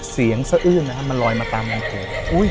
เสียงเสื้ออื้นแล้วมันลอยมาตามลำโทร